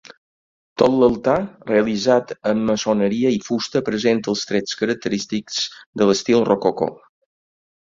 Tot l'altar, realitzat en maçoneria i fusta presenta els trets característics de l'estil rococó.